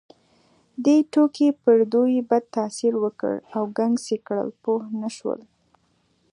دې ټوکې پر دوی بد تاثیر وکړ او ګنګس یې کړل، پوه نه شول.